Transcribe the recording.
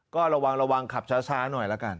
ก็ระวังขับช้าหน่อยละกัน